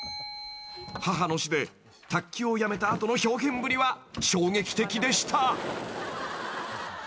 ［母の死で卓球をやめた後の豹変ぶりは衝撃的でした］